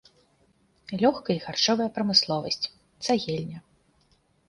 Лёгкая і харчовая прамысловасць, цагельня.